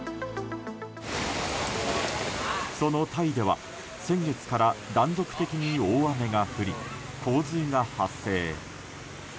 そのタイでは先月から断続的に大雨が降り洪水が発生。